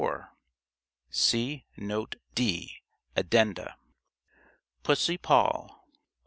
[See Note D, Addenda.] PUSSY "POLL."